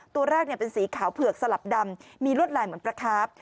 ตัวแรกเป็นสีขาวเผือกสลับดำมีลวดลายเหมือนประคาบ